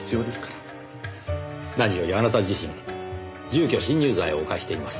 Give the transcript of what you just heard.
何よりあなた自身住居侵入罪を犯しています。